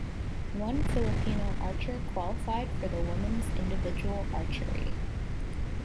One Filipino archer qualified for the women's individual archery.